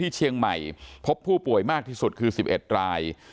เชียงใหม่พบผู้ป่วยมากที่สุดคือ๑๑ราย